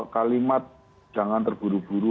kalimat jangan terburu buru